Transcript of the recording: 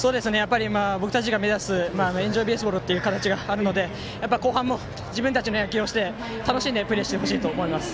僕たちが目指す「エンジョイ・ベースボール」があるので後半も自分たちの野球をして楽しんでプレーしてほしいと思います。